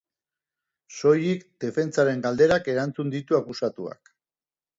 Soilik defentsaren galderak erantzun ditu akusatuak.